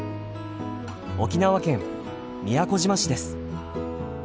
沖縄県宮古島市です。